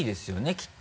きっと。